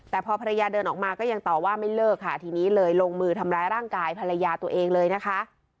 แต่พอภรรยาเดินออกมาก็ยังต่อว่าไม่เลิกค่ะทีนี้เลยลงมือทำร้ายร่างกายภรรยาตัวเองเลยนะคะ